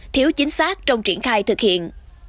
thiếu chính xác trong triển khai thực hiện